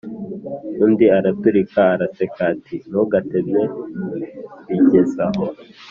Undi araturika araseka ati"ntugatebye bigezaho"